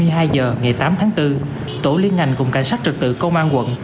hai mươi hai h ngày tám tháng bốn tổ liên ngành cùng cảnh sát trật tự công an quận